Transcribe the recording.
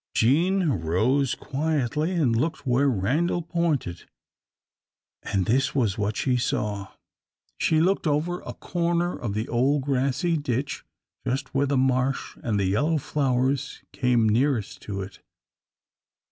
Jean rose quietly, and looked where Randal pointed, and this was what she saw. She looked over a corner of the old grassy ditch, just where the marsh and the yellow flowers came nearest to it.